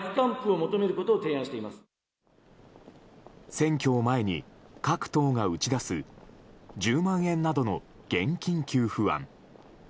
選挙を前に各党が打ち出す１０万円などの現金給付案。